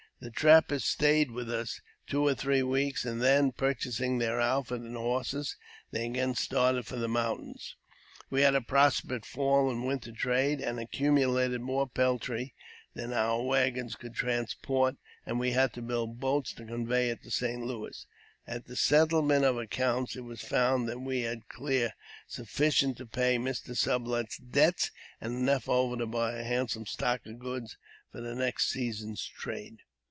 The trappers stayed with us two or three weeks, and then, purchasing their outfit and horses, they again started for the mountains. We had a prosperous fall and winter trade, and accumulated more peltry than our waggons could transport, and we had to build boats to convey it to St. Louis. At the settlement of accounts, it was found that we had cleared sufficient to pay Mr. Sublet's debts, and enough over to buy a handsome stock of goods for the next season's trade.